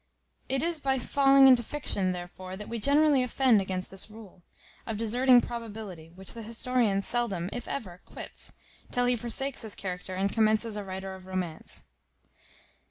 It is by falling into fiction, therefore, that we generally offend against this rule, of deserting probability, which the historian seldom, if ever, quits, till he forsakes his character and commences a writer of romance.